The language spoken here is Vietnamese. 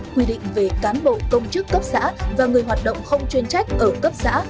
quy định về cán bộ công chức cấp xã và người hoạt động không chuyên trách ở cấp xã